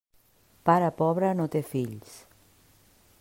Pare pobre no té fills.